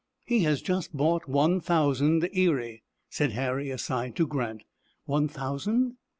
"He has just bought one thousand Erie," said Harry, aside, to Grant. "One thousand?"